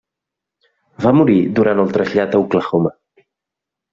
Va morir durant el trasllat a Oklahoma.